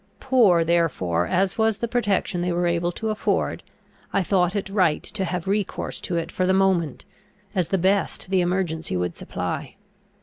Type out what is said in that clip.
Poor therefore as was the protection they were able to afford, I thought it right to have recourse to it for the moment, as the best the emergency would supply.